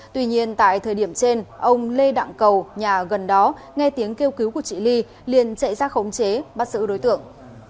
tuy nhiên tại thời điểm trên ông lê đặng cầu nhà gần đó nghe tiếng kêu cứu của chị ly liền chạy ra khống chế bắt giữ đối tượng